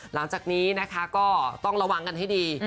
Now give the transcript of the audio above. หลังจากนี้นะคะก็ต้องระวังกันให้ดี